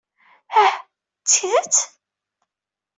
Ah! D tidet?